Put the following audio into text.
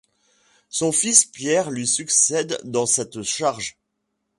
Son fils Pierre lui succède dans cette charge.